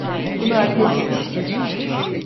Bunu hak etmiyor.